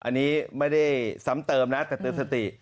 อันนี้ไม่ได้ซ้ำเติมนะแต่เตือนสติ